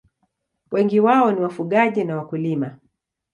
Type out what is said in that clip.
Wengi wao ni wafugaji na wakulima.